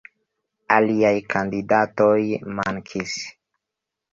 Aliaj kandidatoj mankis.